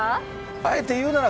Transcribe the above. あえて言うなら。